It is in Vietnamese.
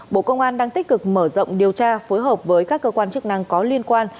bộ công an đang tích cực mở rộng điều tra phối hợp với các cơ quan chức năng có liên quan